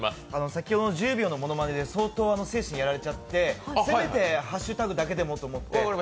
先ほどの１０秒のものまねで相当精神をやられちゃってせめてハッシュタグだけでもと思って。